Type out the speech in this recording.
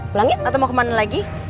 pulang yuk atau mau kemana lagi